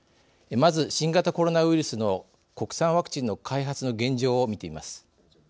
まず、新型コロナウイルスの国産ワクチンの開発の現状を見てみます。